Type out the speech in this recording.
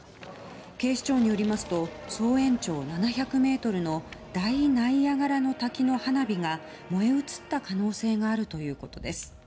警視庁によりますと総延長７００ｍの大ナイアガラの滝の花火が燃え移った可能性があるということです。